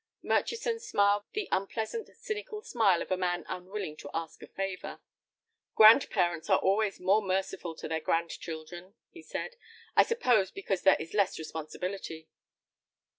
Murchison smiled the unpleasant, cynical smile of a man unwilling to ask a favor. "Grandparents are always more merciful to their grandchildren," he said; "I suppose because there is less responsibility."